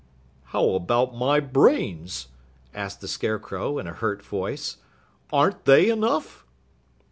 "How about my brains?" asked the Scarecrow in a hurt voice. "Aren't they enough?"